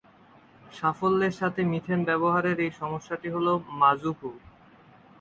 সাফল্যের সাথে মিথেন ব্যবহারের এই সমস্যাটি হ'ল মাজুকু।